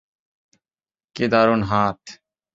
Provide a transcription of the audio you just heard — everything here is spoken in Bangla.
কি দারুন হাত!